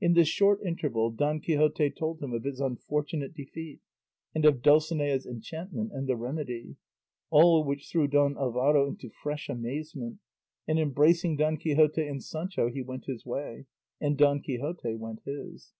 In this short interval Don Quixote told him of his unfortunate defeat, and of Dulcinea's enchantment and the remedy, all which threw Don Alvaro into fresh amazement, and embracing Don Quixote and Sancho he went his way, and Don Quixote went his.